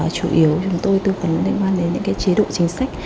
chủ yếu chúng tôi tư vấn liên quan đến những chế độ chính sách